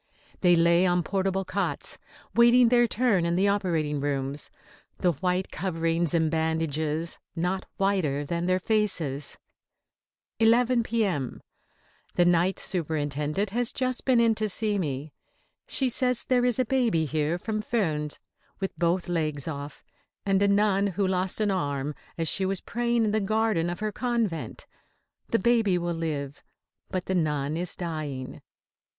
They lay on portable cots, waiting their turn in the operating rooms, the white coverings and bandages not whiter than their faces. 11 P.M. The Night Superintendent has just been in to see me. She says there is a baby here from Furnes with both legs off, and a nun who lost an arm as she was praying in the garden of her convent. The baby will live, but the nun is dying.